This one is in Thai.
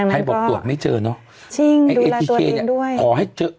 ใครบอกตรวจไม่เจอเนอะจริงดูแลตัวเองด้วย